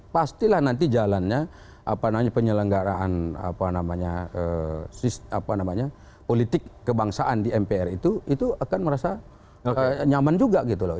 pastilah nanti jalannya penyelenggaraan politik kebangsaan di mpr itu itu akan merasa nyaman juga gitu loh